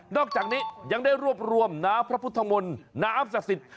อกจากนี้ยังได้รวบรวมน้ำพระพุทธมนต์น้ำศักดิ์สิทธิ์